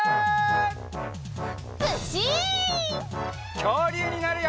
きょうりゅうになるよ！